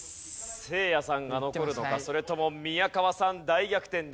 せいやさんが残るのかそれとも宮川さん大逆転で残るか？